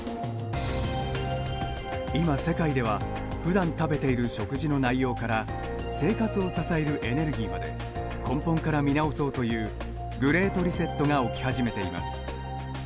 今、世界ではふだん食べている食事の内容から生活を支えるエネルギーまで根本から見直そうというグレート・リセットが起き始めています。